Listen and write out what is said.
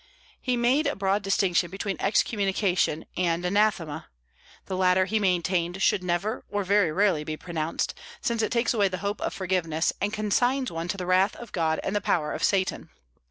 He made a broad distinction between excommunication and anathema; the latter, he maintained, should never, or very rarely, be pronounced, since it takes away the hope of forgiveness, and consigns one to the wrath of God and the power of Satan.